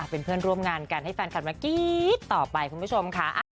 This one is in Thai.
เป็นเพื่อนร่วมงานกันให้แฟนคลับมากรี๊ดต่อไปคุณผู้ชมค่ะ